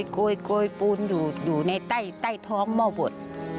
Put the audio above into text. โกยปูนอยู่ในใต้ท้องหม้อบด